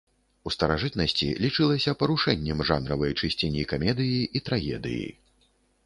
У старажытнасці лічылася парушэннем жанравай чысціні камедыі і трагедыі.